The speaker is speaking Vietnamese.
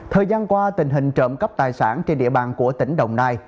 thời gian qua tình hình trộm cắp tài sản trên địa bàn của tỉnh đồng nai